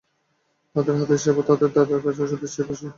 তার হাতের সেবা যে তার দাদার কাছে ওষুধের চেয়ে বেশি।